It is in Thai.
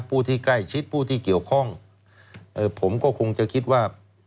ผู้ที่ใกล้ชิดผู้ที่เกี่ยวข้องผมก็คงจะคิดว่า